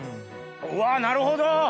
うわなるほど！